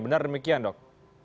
benar demikian dok